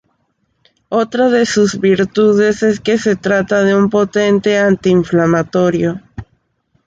Otra de sus virtudes es que se trata de un potente antiinflamatorio.